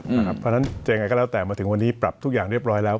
เพราะฉะนั้นยังไงก็แล้วแต่มาถึงวันนี้ปรับทุกอย่างเรียบร้อยแล้ว